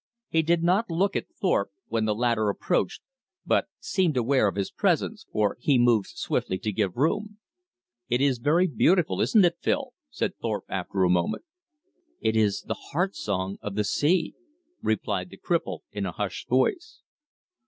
He did not look at Thorpe when the latter approached, but seemed aware of his presence, for he moved swiftly to give room. "It is very beautiful; isn't it, Phil?" said Thorpe after a moment. "It is the Heart Song of the Sea," replied the cripple in a hushed voice.